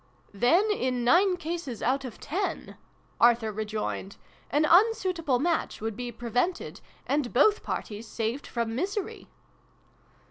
"" Then, in nine cases out of ten," Arthur rejoined, " an unsuitable match would be pre vented, and both parties saved from misery